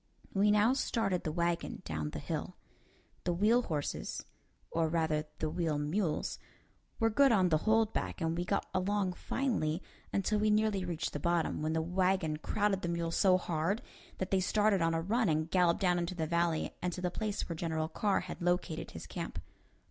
We now started the wagon down the hill. The wheel horses or rather the wheel mules were good on the hold back, and we got along finely until we nearly reached the bottom, when the wagon crowded the mules so hard that they started on a run and galloped down into the valley and to the place where General Carr had located his camp.